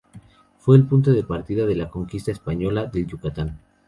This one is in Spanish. Fue el punto de partida de la conquista española del Yucatán.